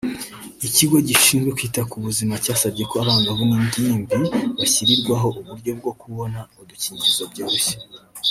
Ikigo gishinzwe kwita ku buzima cyasabye ko abangavu n’ingimbi bashyirirwaho uburyo bwo kubona udukingirizo byoroshye